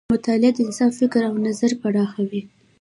مطالعه د انسان فکر او نظر پراخوي.